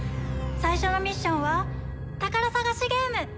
最初のミッションは宝探しゲーム！